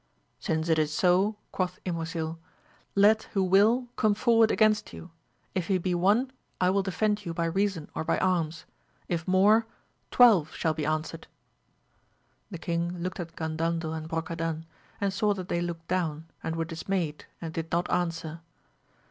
Since it is so, quoth Ymosil, let who will come forward against you ! if he be one I will de fend you by reason or by arms ; if more, twelve shall be answered. The king looked at Gandandel and Brocadan, and saw that they looked down, and were dismayed, and did not answer.